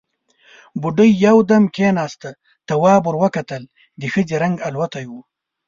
بوډۍ يودم کېناسته، تواب ور وکتل، د ښځې رنګ الوتی و.